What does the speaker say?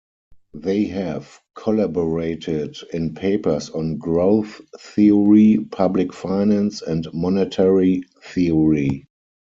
They have collaborated in papers on growth theory, public finance, and monetary theory.